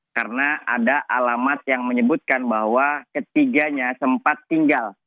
karena ada alamat yang menyebutkan bahwa ketiganya sempat tinggal